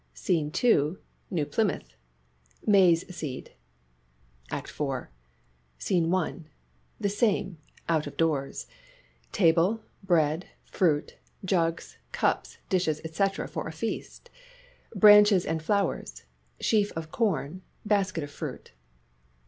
SCENE II. " NEW PLYMOUTH." Maize seed. ACT IV SCENE I. The same ; out of doors. Table, bread, fruit, jugs, cups, dishes, &c., for a feast. Branches and flowers, sheaf of corn, basket of fruit.